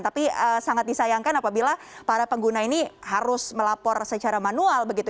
tapi sangat disayangkan apabila para pengguna ini harus melapor secara manual begitu